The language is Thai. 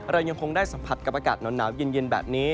เรายังคงได้สัมผัสกับอากาศหนาวเย็นแบบนี้